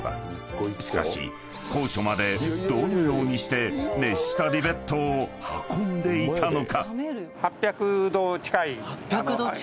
［しかし高所までどのようにして熱したリベットを運んでいたのか？］